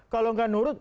kalau gak nurut